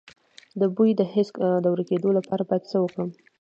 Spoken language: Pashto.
د بوی د حس د ورکیدو لپاره باید څه وکړم؟